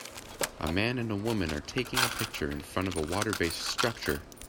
A man and a woman are taking a picture in front of a waterbased structure.